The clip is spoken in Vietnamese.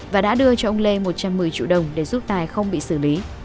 và đã đưa cho ông lê một trăm một mươi triệu đồng để giúp tài không bị xử lý